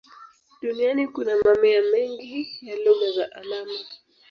Duniani kuna mamia mengi ya lugha za alama.